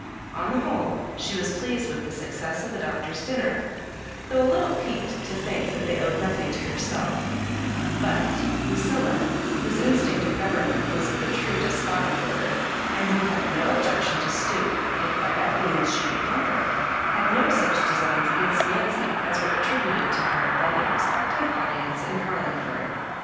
On the whole, she was pleased with the success of the Doctor's dinner, though a Httle piqued to think that they owed nothing to herself; but Lu cilla, whose instinct of government was of the true deq>otic order, and who had no objection to stoops if by that means she could conquer, had no such designs against Nancy as were attributed to her by the expectant audience in Garlingford.